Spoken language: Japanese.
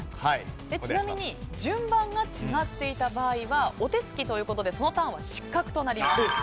ちなみに順番が違っていた場合はお手付きということでそのターンは失格となります。